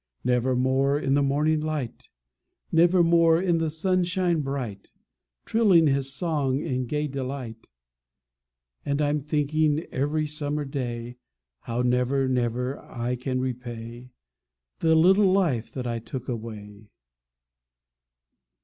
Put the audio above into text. Never more in the morning light, Never more in the sunshine bright, Trilling his song in gay delight. And I'm thinking, every summer day, How never, never, I can repay The little life that I took away.